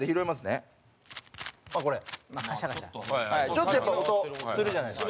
ちょっとやっぱ音するじゃないですか。